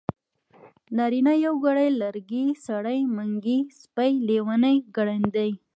نارينه يوګړی ی لرګی سړی منګی سپی لېوانی ګړندی